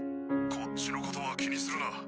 こっちのことは気にするな。